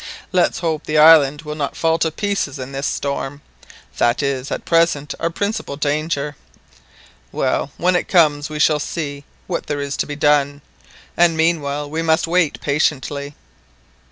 Let's hope the island will not fall to pieces in this storm! That is at present our principal danger. Well, when it comes we shall see what there is to be done, and meanwhile we must wait patiently."